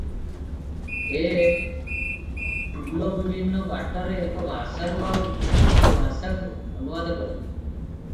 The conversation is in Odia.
ଏ ଟୁଲ ବିଭିନ୍ନ ବାଟରେ ଏକ ଭାଷାରୁ ଆଉ ଏକ ଭାଷାକୁ ଅନୁବାଦ କରେ ।